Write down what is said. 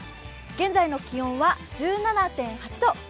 現在の気温は１７．８度。